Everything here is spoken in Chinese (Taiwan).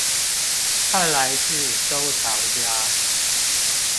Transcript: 看來是收藏家